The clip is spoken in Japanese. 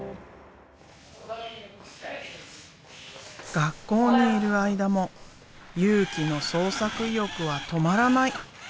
学校にいる間も佑貴の創作意欲は止まらない！